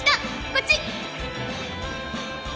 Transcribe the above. こっち。